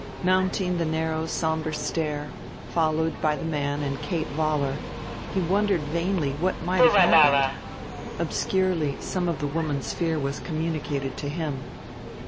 Mounting the narrow somber stair, followed by the man and Kate Vollar, he wondered vainly what might have happened. Obscurely some of the woman's fear was communicated to him.